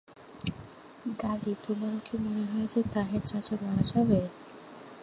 দাদী, তোমারও কি মনে হয় যে তাহের চাচা মারা যাবে?